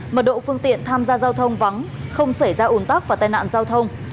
mật độ phương tiện tham gia giao thông vắng không xảy ra ồn tắc và tai nạn giao thông